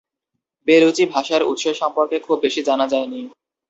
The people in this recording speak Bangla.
বেলুচি ভাষার উৎস সম্পর্কে খুব বেশি জানা যায়নি।